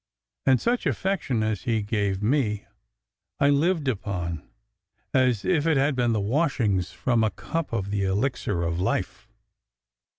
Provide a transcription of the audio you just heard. And such affection as he gave me, I lived upon, as if it had been the washings from a cup of the elixir of life.